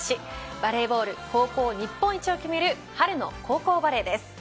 バレーボール高校日本一を決める春の高校バレーです。